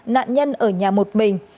nạn nhân ở nhà một mình